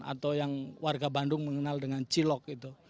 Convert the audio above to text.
atau yang warga bandung mengenal dengan cilok itu